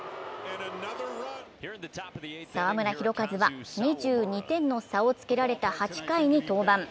澤村拓一は２２点の差をつけられた８回に登板。